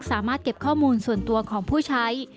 สามารถเก็บข้อมูลส่วนตัวของผู้ใช้